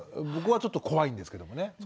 僕はちょっと怖いんですけどもね。